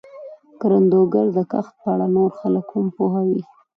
کروندګر د کښت په اړه نور خلک هم پوهوي